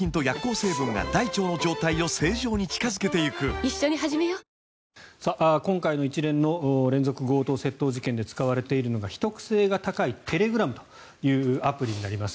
今回、テレグラムというアプリが使われていて今回の一連の連続強盗・窃盗事件で使われているのが秘匿性が高いテレグラムというアプリになります。